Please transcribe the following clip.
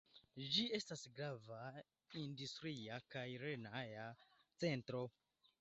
Ĝi estas grava industria kaj lerneja centro.